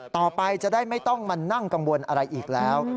ต่อไปจะได้ไม่ต้องมานั่งกังวลอะไรอีกแล้ว